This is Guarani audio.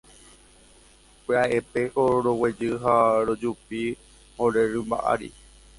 Pya'épeko roguejy ha rojupi ore rymba ári.